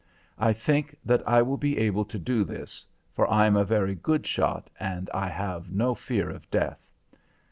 I think that I will be able to do this, for I am a very good shot and I have no fear of death.